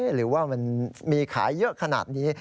หรือว่ามันมีขายเยอะขนาดนี้